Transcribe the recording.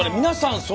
皆さん